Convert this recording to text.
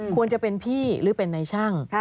ควรจะเป็นพี่หรือเป็นในช่าง